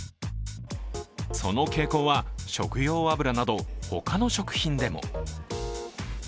その傾向は、食用油など他の食品でも。